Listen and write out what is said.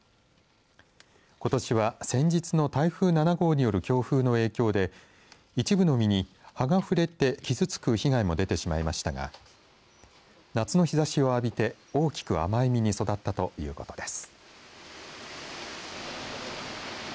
ことしは先日の台風７号による強風の影響で一部の実に葉が触れて傷つく被害も出てしまいましたが夏の日ざしを浴びて大きく甘い実に育ったということです。